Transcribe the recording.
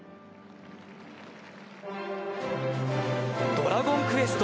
「ドラゴンクエスト」